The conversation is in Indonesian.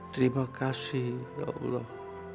terima kasih ya allah